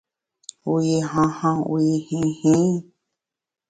Wu yi han han wu yi hin hin ?